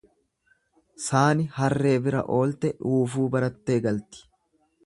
Saani harree bira oolte dhuufuu barattee galti.